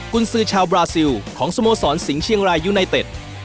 คุณซื้อชาวบราซิลของสโมสรสิงห์เชียงรายยูไนเต็ด